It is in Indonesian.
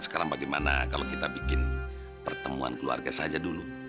sekarang bagaimana kalau kita bikin pertemuan keluarga saja dulu